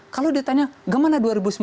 kalau ditanya gimana dua ribu sembilan belas